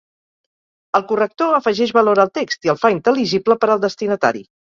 El corrector afegeix valor al text i el fa intel·ligible per al destinatari.